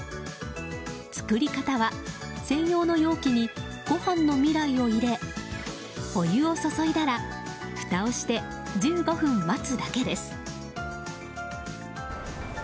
作り方は専用の容器にごはんのみらいを入れお湯を注いだらふたをして１５分待つだけです。